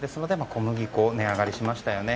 小麦粉も値上がりしましたよね。